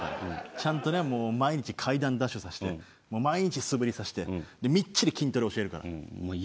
ちゃんとねもう毎日階段ダッシュさせて毎日素振りさせてみっちり筋トレ教えるから。